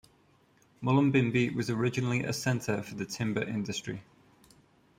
Mullumbimby was originally a centre for the timber industry.